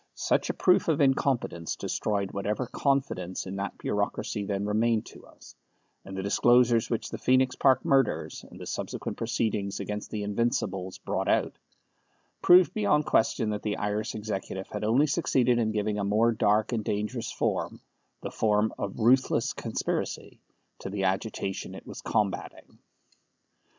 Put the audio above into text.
Such a proof of incompetence destroyed whatever confidence in that bureaucracy then remained to us, and the disclosures which the Phoenix Park murders and the subsequent proceedings against the Invincibles brought out, proved beyond question that the Irish Executive had only succeeded in giving a more dark and dangerous form, the form of ruthless conspiracy, to the agitation it was combating.